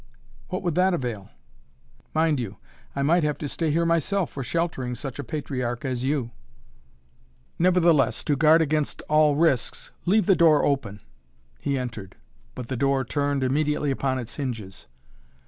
"What would that avail?" "Mind you I might have to stay here myself for sheltering such a patriarch as you." "Nevertheless to guard against all risks leave the door open " He entered, but the door turned immediately upon its hinges.